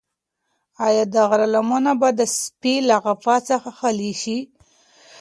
ایا د غره لمنه به د سپي له غپا څخه خالي شي؟